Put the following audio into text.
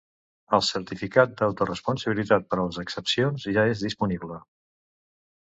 El certificat d’autoresponsabilitat per a les excepcions ja és disponible.